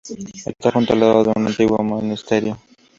Esta justo al lado de un antiguo monasterio.